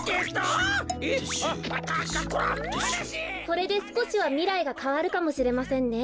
これですこしはみらいがかわるかもしれませんね。